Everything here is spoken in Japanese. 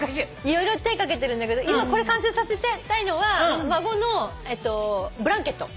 色々手掛けてるんだけど今完成させちゃいたいのは孫のブランケット。